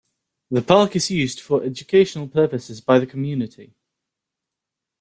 The park is used for educational purposes by the community.